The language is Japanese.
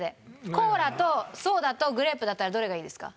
コーラとソーダとグレープだったらどれがいいですか？